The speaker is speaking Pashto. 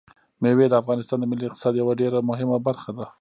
مېوې د افغانستان د ملي اقتصاد یوه ډېره مهمه برخه ده.